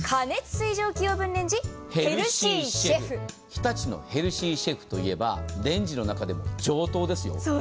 日立のヘルシーシェフと言えばレンジの中でも上等ですよ。